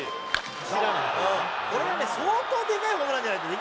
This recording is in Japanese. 「これがね相当でかいホームランじゃないとできないからね」